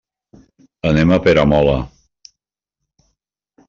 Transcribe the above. Anem a Peramola.